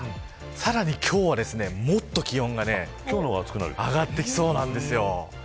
さらに今日は気温がもっと上がってきそうなんです。